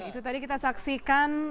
itu tadi kita saksikan